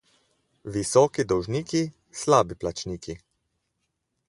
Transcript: Visoki dolžniki, slabi plačniki.